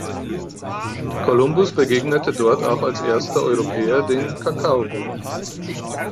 Columbus begegnete dort auch als erster Europäer den Kakaobohnen.